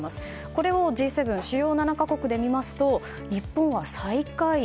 これをＧ７・主要７か国で見ますと日本は最下位。